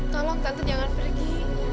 tolong tante jangan pergi